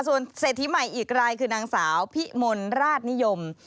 ส่วนเศรษฐีใหม่อีกรายคือนางสาวพิมลราชนิยม